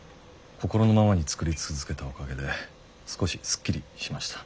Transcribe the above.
心のままに作り続けたおかげで少しすっきりしました。